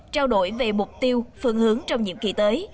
trao đổi về mục tiêu phương hướng trong nhiệm kỳ tới